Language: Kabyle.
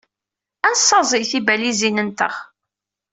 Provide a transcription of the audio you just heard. Ad nessaẓey tibalizin-nteɣ.